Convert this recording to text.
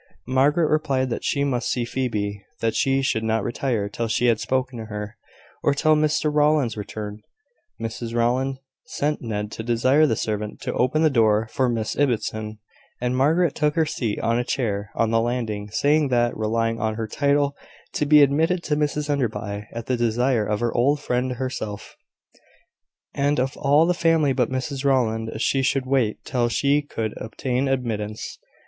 Margaret replied that she must see Phoebe that she should not retire till she had spoken to her, or till Mr Rowland's return. Mrs Rowland sent Ned to desire the servant to open the door for Miss Ibbotson; and Margaret took her seat on a chair on the landing, saying that, relying on her title to be admitted to Mrs Enderby, at the desire of her old friend herself, and of all the family but Mrs Rowland, she should wait till she could obtain admittance.